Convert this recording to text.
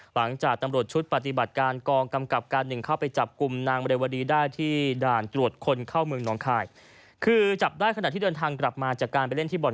หลังจากตำรวจชุดปฏิบัติการ